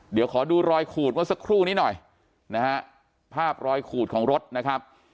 เดี๋ยวขอดูรอยขูดของสกรูนี้หน่อยภาพรอยขูดของรถนะครับ